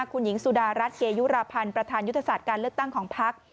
คุณหญิงซุดารัชเกยุรพรรณยุติศาสตร์เลือกตั้งของภักดิ์